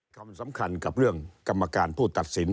สำคัญกับเรื่องกรรมการผู้ตัดสิน